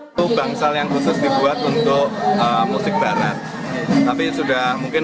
jangan lupa subscribe channel abdi dalam musikan keraton ngayok yakarta hadiningrat